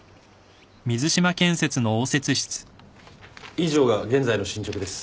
以上が現在の進捗です。